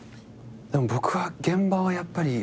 でも僕は現場はやっぱり。